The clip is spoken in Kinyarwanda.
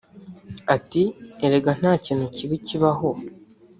Ati″ Erega nta kintu kibi kibaho